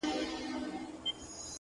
ستا د بنگړو مست شرنگهار وچاته څه وركوي،